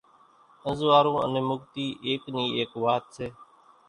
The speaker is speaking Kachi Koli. انزوئارُو انين مُڳتي ايڪ نِي ايڪ وات سي